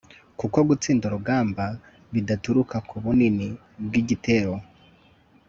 kuko gutsinda urugamba bidaturuka ku bunini bw'igitero